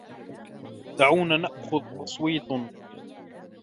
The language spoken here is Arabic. دعونا نأخذ تصويت.